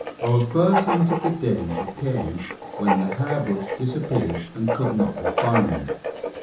Our first hint of the danger came when the hairbrush disappeared and could not be found.